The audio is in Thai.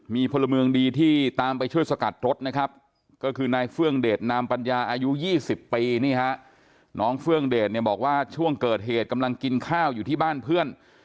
มีพลเมืองดีที่ตามไปช่วยสกัดรถนะครับก็คือนายเฟื่องเดชนามปัญญาอายุ๒๐ปีนี่ฮะน้องเฟื่องเดชเนี่ยบอกว่าช่วงเกิดเหตุกำลังกินข้าวอยู่ที่บ้านเพื่อน